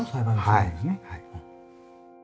はい。